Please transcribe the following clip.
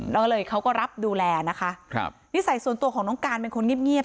แล้วก็เลยเขาก็รับดูแลนะคะครับนิสัยส่วนตัวของน้องการเป็นคนเงียบ